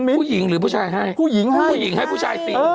ผู้หญิงหรือผู้ชายให้ผู้หญิงให้ผู้หญิงให้ผู้ชาย๔